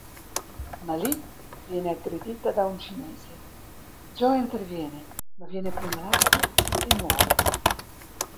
Ma lì viene aggredita da un cinese; Joe interviene, ma viene pugnalato e muore.